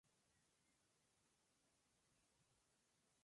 Según el Nuevo Testamento es uno de los antepasados de Jesús.